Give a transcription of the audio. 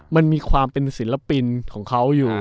มันมีความเป็นศิลปินของเขาอยู่